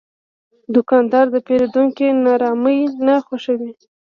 دوکاندار د پیرودونکي ناارامي نه خوښوي.